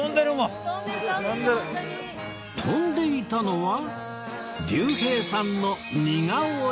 飛んでいたのは竜兵さんの似顔絵